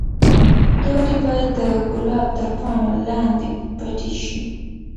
توري باید د ګلاب تر پاڼو لاندې پټې شي.